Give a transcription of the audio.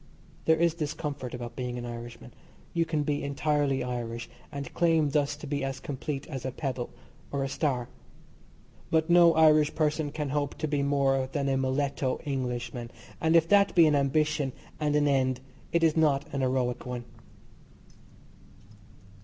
There is this comfort about being an Irishman, you can be entirely Irish, and claim thus to be as complete as a pebble or a star. But no Irish person can hope to be more than a muletto Englishman, and if that be an ambition and an end it is not an heroic one.